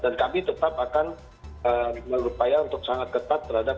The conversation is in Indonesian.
dan kami tetap akan melupaya untuk sangat ketat terhadap penerapan